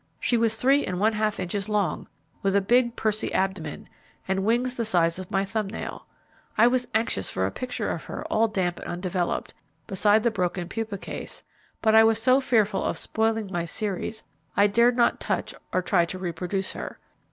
She was three and one half inches LONG, with a big pursy abdomen, and wings the size of my thumbnail. I was anxious for a picture of her all damp and undeveloped, beside the broken pupa case; but I was so fearful of spoiling my series I dared not touch, or try to reproduce her.